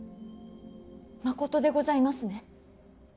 まことでございますね。